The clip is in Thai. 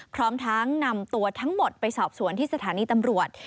พร้อมทั้งนำตัวทั้งหมดไปสอบสวนที่สถานีตำรวจ